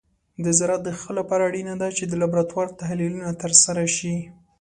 د زراعت د ښه لپاره اړینه ده چې د لابراتور تحلیلونه ترسره شي.